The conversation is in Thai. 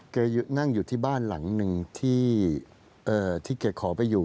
นั่งอยู่ที่บ้านหลังหนึ่งที่แกขอไปอยู่